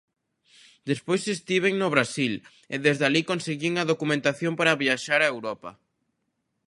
Despois estiven no Brasil e desde alí conseguín a documentación para viaxar a Europa.